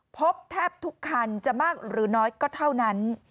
พบแทบทุกคันจะมากหรือน้อยก็เท่านั้น